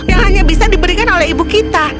yang hanya bisa diberikan oleh ibu kita